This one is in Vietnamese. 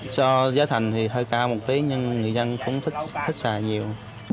cho giá thành thì hơi cao một tí nhưng người dân cũng thích xài nhiều